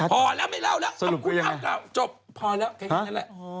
ผอลักษณ์ก็ยังไง